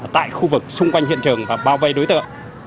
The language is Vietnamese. tại khu vực xung quanh hiện trường và bao vây đối tượng